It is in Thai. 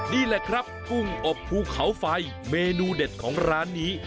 นี่แหละครับกุ้งอบภูเขาไฟเมนูเด็ดของร้านนี้